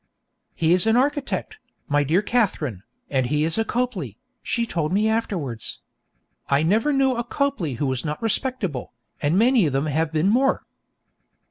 'He is an architect, my dear Katharine, and he is a Copley,' she told me afterwards. 'I never knew a Copley who was not respectable, and many of them have been more.'